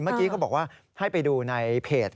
เมื่อกี้เขาบอกว่าให้ไปดูในเพจ